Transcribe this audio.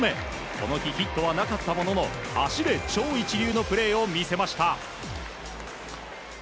この日、ヒットはなかったものの足で超一流のプレーを見せました。